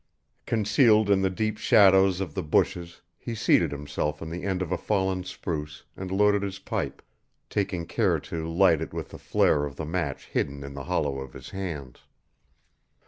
Concealed in the deep shadows of the bushes he seated himself on the end of a fallen spruce and loaded his pipe, taking care to light it with the flare of the match hidden in the hollow of his hands.